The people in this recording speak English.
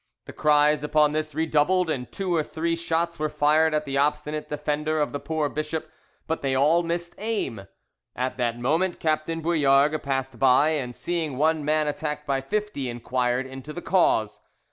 The cries upon this redoubled, and two or three shots were fired at the obstinate defender of the poor bishop, but they all missed aim. At that moment Captain Bouillargues passed by, and seeing one man attacked by fifty, inquired into the cause.